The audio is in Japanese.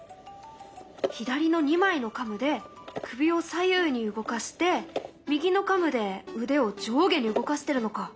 左の２枚のカムで首を左右に動かして右のカムで腕を上下に動かしてるのか。